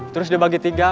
terus dibagi tiga